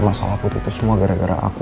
sumber masalah putri itu semua gara gara aku